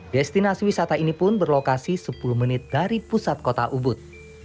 destinasi wisata ini pun berlokasi sepuluh menit dari pusat kota ubud